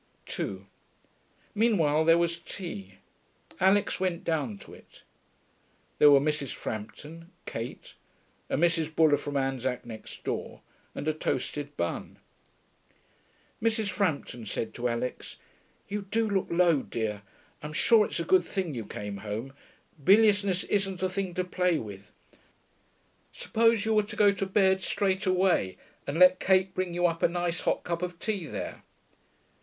2 Meanwhile there was tea. Alix went down to it. There were Mrs. Frampton, Kate, a Mrs. Buller from Anzac next door, and a toasted bun. Mrs. Frampton said to Alix, 'You do look low, dear. I'm sure it's a good thing you came home. Biliousness isn't a thing to play with. Suppose you were to go to bed straight away, and let Kate bring you up a nice hot cup of tea there?'